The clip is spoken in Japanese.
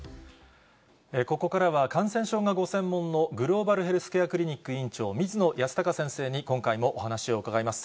ここからは、感染症がご専門の、グローバルヘルスケアクリニック院長、水野泰孝先生に今回もお話を伺います。